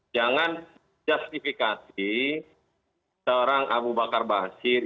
jangan justifikasi seorang abu bakar basir